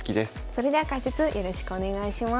それでは解説よろしくお願いします。